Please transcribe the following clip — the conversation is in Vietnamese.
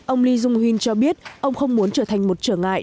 ông lê dung huynh cho biết ông không muốn trở thành một trở ngại